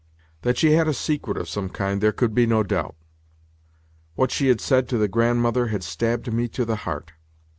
That she had a secret of some kind there could be no doubt. What she had said to the Grandmother had stabbed me to the heart.